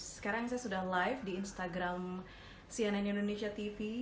sekarang saya sudah live di instagram cnn indonesia tv